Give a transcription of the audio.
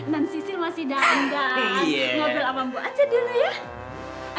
non sisil masih dandan ngobrol sama bu aja dulu ya